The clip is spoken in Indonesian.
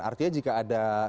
artinya jika ada